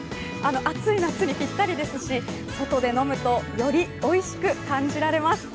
暑い夏にぴったりですし外で飲むと、よりおいしく感じられます。